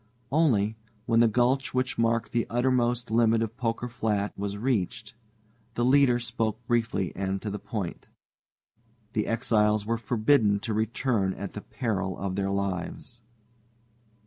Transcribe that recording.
Only, when the gulch which marked the uttermost limit of Poker Flat was reached, the leader spoke briefly and to the point. The exiles were forbidden to return at the peril of their lives.